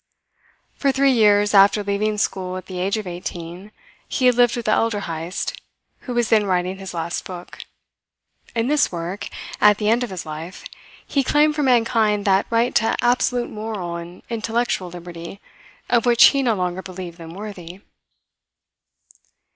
For three years, after leaving school at the age of eighteen, he had lived with the elder Heyst, who was then writing his last book. In this work, at the end of his life, he claimed for mankind that right to absolute moral and intellectual liberty of which he no longer believed them worthy.